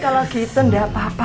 bu kalau gitu enggak apa apa